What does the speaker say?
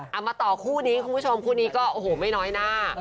เอามาต่อคู่นี้คุณผู้ชมคู่นี้ก็โอ้โหไม่น้อยหน้า